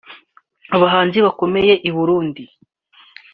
Abahanzi bakomeye i Burundi